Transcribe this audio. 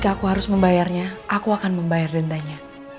jika aku harus membayarnya aku akan membayar dendanya